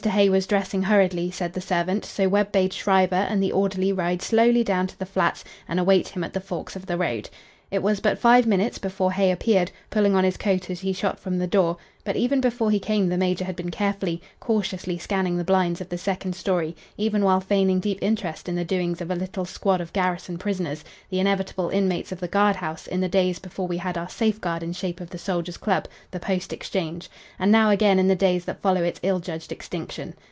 Hay was dressing hurriedly, said the servant, so Webb bade Schreiber and the orderly ride slowly down to the flats and await him at the forks of the road. It was but five minutes before Hay appeared, pulling on his coat as he shot from the door, but even before he came the major had been carefully, cautiously scanning the blinds of the second story, even while feigning deep interest in the doings of a little squad of garrison prisoners the inevitable inmates of the guard house in the days before we had our safeguard in shape of the soldier's club the post exchange and now again in the days that follow its ill judged extinction.